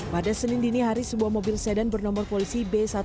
pada senin dinihari sebuah mobil sempurna yang terlalu berat